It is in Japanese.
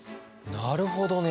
なるほどね。